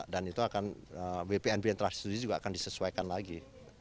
dan itu akan bpnb yang terakhir ini juga akan disesuaikan lagi